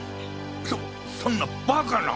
そそんなバカな。